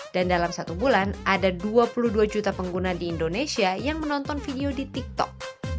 dan dalam satu bulan ada dua puluh dua juta pengguna di indonesia yang menonton video di tiktok